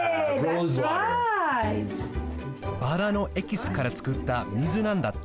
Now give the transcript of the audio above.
バラのエキスからつくった水なんだって！